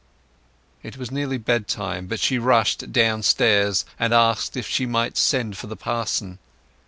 It was nearly bedtime, but she rushed downstairs and asked if she might send for the parson.